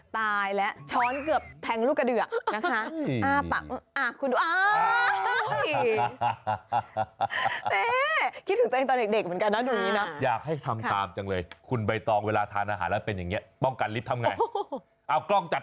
ตายแล้วช้อนเกือบแทงลูกกระเดือกนะคะ